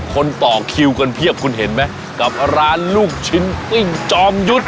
คนต่อคิวกันเพียบคุณเห็นไหมกับร้านลูกชิ้นปิ้งจอมยุทธ์